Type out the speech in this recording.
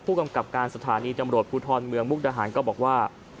ผู้กำกับการสถานีตำรวจภูทรเมืองมุกดาหารก็บอกว่า